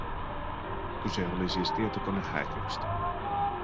Kyse oli siis tietokonehäiriöstä.